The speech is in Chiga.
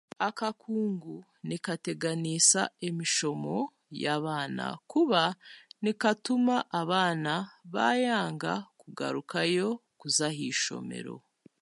Akakungu nikateganiisa emishomo y'abaana kuba nikatuma abaana baayanga kugarukayo kuza aha ishomero